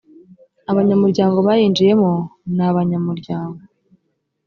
abanyamuryango bayinjiyemo n abanyamuryango